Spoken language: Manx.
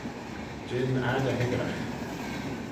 Jean ad y hickyragh.